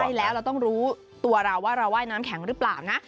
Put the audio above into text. ใช่แล้วเราต้องรู้ตัวเราว่าเราว่ายน้ำแข็งหรือเปล่านะ